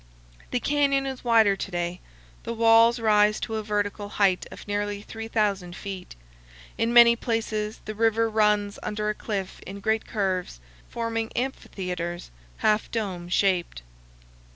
The canyon is wider to day. The walls rise to a vertical height of nearly 3,000 feet. In many places the river runs under a cliff in great curves, forming amphitheaters half dome shaped.